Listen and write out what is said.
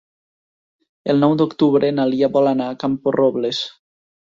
El nou d'octubre na Lia vol anar a Camporrobles.